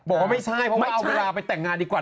บอกว่าไม่ใช่เอาเวลาไปแต่งงานดีกว่า